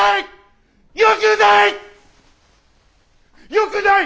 よくない！